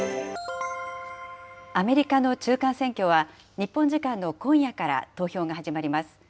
アメリカの中間選挙は、日本時間の今夜から投票が始まります。